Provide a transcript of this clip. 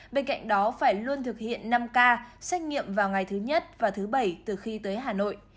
bên cạnh đó phải luôn thực hiện năm k xét nghiệm vào ngày thứ nhất và thứ bảy từ khi tới hà nội